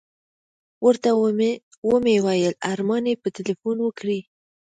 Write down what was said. ورته ومې ویل ارماني به تیلفون وکړي.